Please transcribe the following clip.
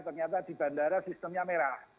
ternyata di bandara sistemnya merah